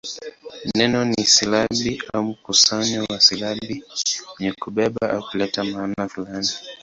Neno ni silabi au mkusanyo wa silabi wenye kubeba au kuleta maana fulani.